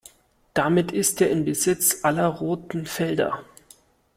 Damit ist er in Besitz aller roten Felder.